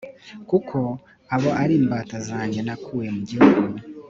kuko abo ari imbata zanjye nakuye mu gihugu